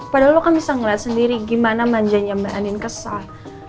padahal lo kan bisa ngeliat sendiri gimana manjanya mbak anin kesal